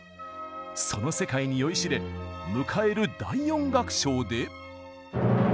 その世界に酔いしれ迎える第４楽章で。